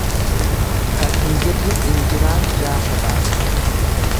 Kan hin jirre injiraan gaafa baasti.